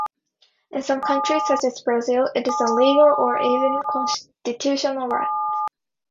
In some countries, such as Brazil, it is a legal or even constitutional right.